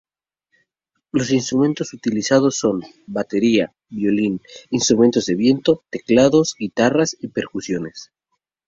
Los instrumentos utilizados son: batería, violín, instrumentos de viento, teclados, guitarras y percusiones.